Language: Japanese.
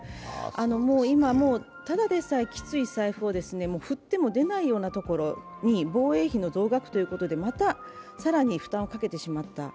もう今、ただでさえきつい財布を振っても出ないようなところに防衛費の増額ということでまた更に負担をかけてしまった。